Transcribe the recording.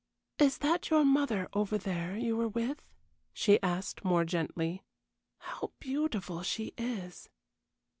"Is that your mother over there you were with?" she asked, more gently. "How beautiful she is!"